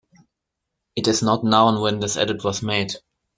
It is not known when this edit was made.